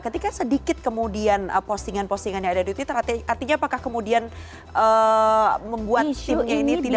ketika sedikit kemudian postingan postingan yang ada di twitter artinya apakah kemudian membuat timnya ini tidak